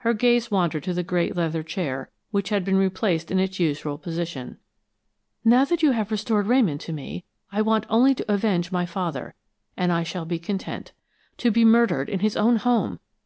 Her gaze wandered to the great leather chair, which had been replaced in its usual position. "Now that you have restored Ramon to me, I want only to avenge my father, and I shall be content. To be murdered, in his own home!